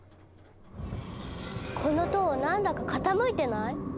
この塔何だか傾いてない？